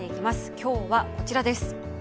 今日は、こちらです。